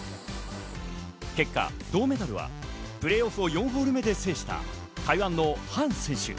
結果、銅メダルはプレーオフを４ホール目で制した台湾のハン選手。